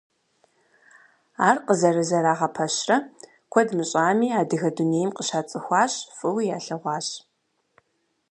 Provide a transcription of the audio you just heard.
Ар къызэрызэрагъэпэщрэ куэд мыщӏами, адыгэ дунейм къыщацӏыхуащ, фӏыуи ялъэгъуащ.